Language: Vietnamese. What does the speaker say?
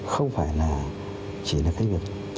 không phải là chỉ là cái việc